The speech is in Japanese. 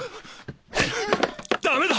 ダメだ！